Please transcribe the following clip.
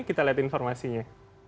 kita lihat informasinya